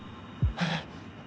えっ？